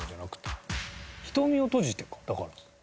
だから。